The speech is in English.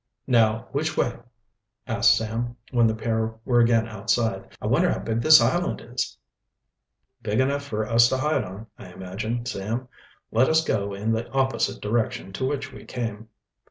"Now which way?" asked Sam, when the pair were again outside. "I wonder how big this island is?" "Big enough for us to hide on, I imagine, Sam. Let us go in the opposite direction to which we came."